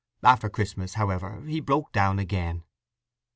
After Christmas, however, he broke down again.